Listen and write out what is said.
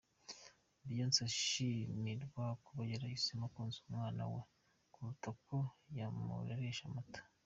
Beyonce ashimirwa kuba yarahisemo konsa umwana we, kuruta uko yamureresha amata.